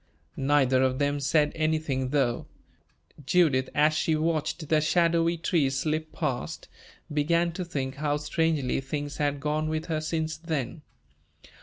Neither of them said anything, though. Judith, as she watched the shadowy trees slip past, began to think how strangely things had gone with her since then.